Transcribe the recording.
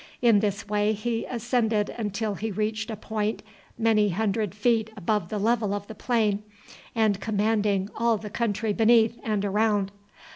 In this way he ascended until he reached a point many hundred feet above the level of the plain, and commanding all the country beneath and around.